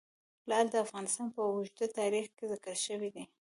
لعل د افغانستان په اوږده تاریخ کې ذکر شوی دی.